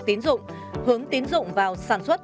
tín dụng hướng tín dụng vào sản xuất